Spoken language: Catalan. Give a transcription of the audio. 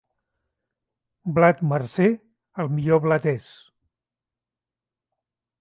Blat marcer, el millor blat és.